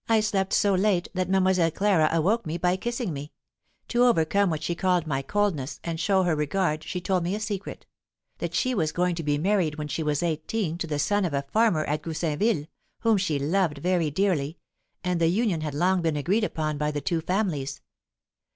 "I slept so late, that Mademoiselle Clara awoke me by kissing me. To overcome what she called my coldness, and show her regard, she told me a secret that she was going to be married when she was eighteen to the son of a farmer at Goussainville, whom she loved very dearly, and the union had long been agreed upon by the two families.